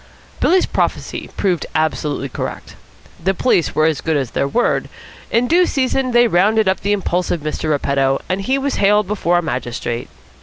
Billy's prophecy proved absolutely correct. The police were as good as their word. In due season they rounded up the impulsive Mr. Repetto, and he was haled before a magistrate.